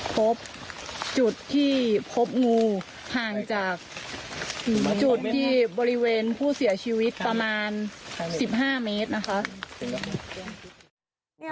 พบจุดที่พบงูห่างจากจุดที่บริเวณผู้เสียชีวิตประมาณ๑๕เมตรนะคะ